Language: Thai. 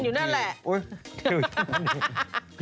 อุ๊ย